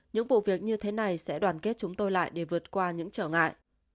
những vụ việc như thế này sẽ đoàn kết chúng tôi lại để vượt qua những trở ngại